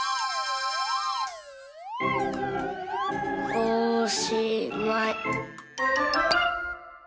おしまい！